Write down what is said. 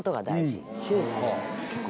そうか。